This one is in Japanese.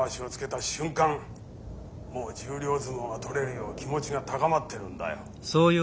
もう十両相撲が取れるよう気持ちが高まってるんだよ。